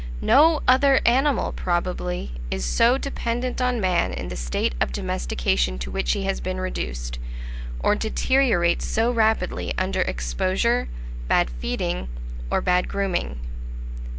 No other animal, probably, is so dependent on man in the state of domestication to which he has been reduced, or deteriorates so rapidly under exposure, bad feeding, or bad grooming.